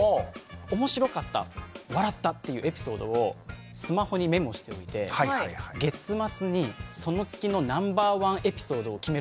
おもしろかった笑ったっていうエピソードをスマホにメモしておいて月末にその月のナンバーワンエピソードを決めるんですよ。